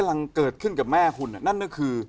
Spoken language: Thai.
ไม่ใช่แม่